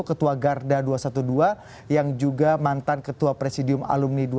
ketua garda dua ratus dua belas yang juga mantan ketua presidium alumni dua ratus dua